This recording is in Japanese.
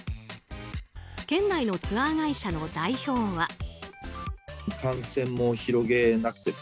県内のツアー会社の代表は。